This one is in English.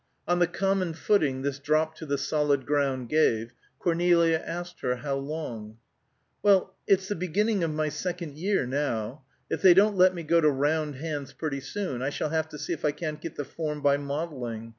On the common footing this drop to the solid ground gave, Cornelia asked her how long. "Well, it's the beginning of my second year, now. If they don't let me go to round hands pretty soon, I shall have to see if I can't get the form by modelling.